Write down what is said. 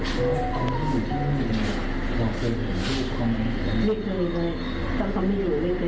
ก็บอกให้ถามถามนิดหน่อยว่า